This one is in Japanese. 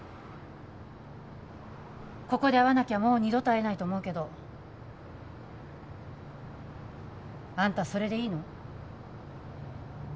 ここで会わなきゃもう二度と会えないと思うけどあんたそれでいいの？